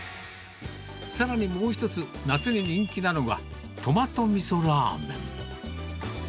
さらにもう一つ、夏に人気なのがトマトみそラーメン。